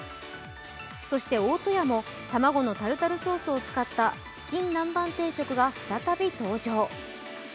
そして大戸屋も卵のタルタルソースを使ったチキン南蛮定食が再び登場。